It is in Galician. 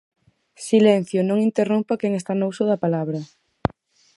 Silencio, non interrompa a quen está no uso da palabra.